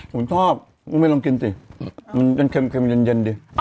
คุณชอบไม่ลองกินสิเข็มเย็นดิ